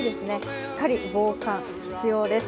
しっかり防寒、必要です。